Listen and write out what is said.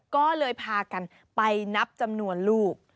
ก็เลยพากันไปนับจำนวนลูก